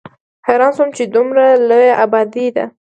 حېران شوم چې دومره لويه ابادي ده